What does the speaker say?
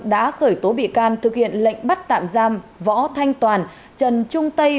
đã khởi tố bị can thực hiện lệnh bắt tạm giam võ thanh toàn trần trung tây